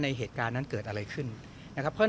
มีใครไปดึงปั๊กหรือว่า